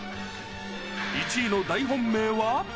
１位の大本命は？